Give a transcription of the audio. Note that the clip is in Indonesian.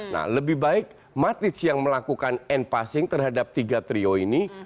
nah lebih baik matic yang melakukan end passing terhadap tiga trio ini